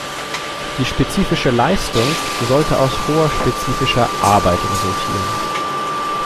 Die spezifische Leistung sollte aus hoher spezifischer Arbeit resultieren.